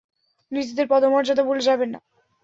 নিজেদের পদমর্যাদা ভুলে যাবেন না!